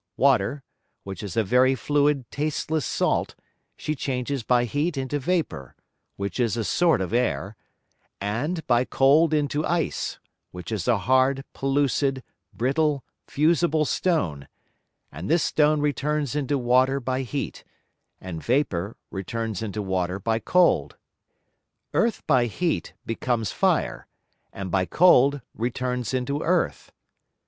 Water, which is a very fluid tasteless Salt, she changes by Heat into Vapour, which is a sort of Air, and by Cold into Ice, which is a hard, pellucid, brittle, fusible Stone; and this Stone returns into Water by Heat, and Vapour returns into Water by Cold. Earth by Heat becomes Fire, and by Cold returns into Earth.